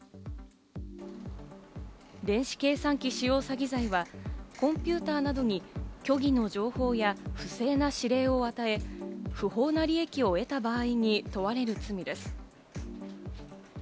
電子計算機使用詐欺罪はコンピューターなどに虚偽の情報や、不正な指令を与え、不法な利益を得た場合に問われる罪です。